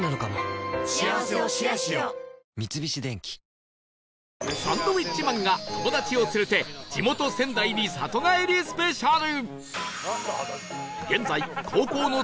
本麒麟サンドウィッチマンが友達を連れて地元仙台に里帰りスペシャル